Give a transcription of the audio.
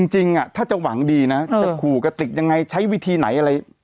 จริงถ้าจะหวังดีนะจะขู่กระติกยังไงใช้วิธีไหนอะไร